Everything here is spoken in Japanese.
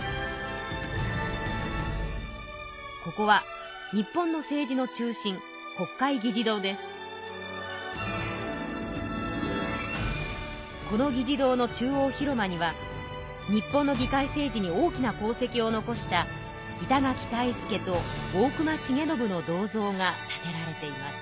ここは日本の政治の中心この議事堂の中央広間には日本の議会政治に大きな功績を残した板垣退助と大隈重信の銅像が建てられています。